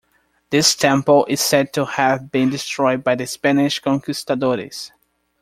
This temple is said to have been destroyed by the Spanish conquistadores.